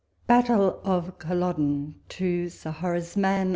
BATTLE OF CULLODEN. To Sir Horace Mann.